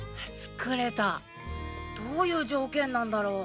どういう条件なんだろ？